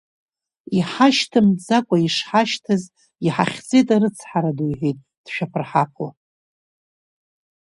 Иҳашьҭымҵӡакәа ишҳашьҭаз, иҳахьӡеит арыцҳара ду, — иҳәеит, дшәаԥырҳаԥуа.